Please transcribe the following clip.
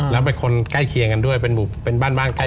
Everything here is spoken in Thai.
แล้วเป็นคนใกล้เคียงกันด้วยเป็นบ้านบ้านใกล้